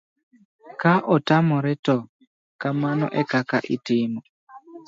ka otamore to kamano ekaka itimo